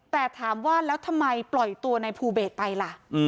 แต่ถามว่าแล้วทำไมปล่อยตัวในภูเบศไปล่ะ